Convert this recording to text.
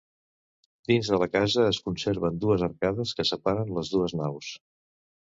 Dins de la casa es conserven dues arcades que separen les dues naus.